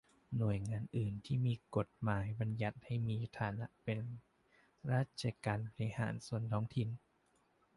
หน่วยงานอื่นที่มีกฎหมายบัญญัติให้มีฐานะเป็นราชการบริหารส่วนท้องถิ่น